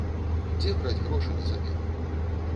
Дзе браць грошы на замену?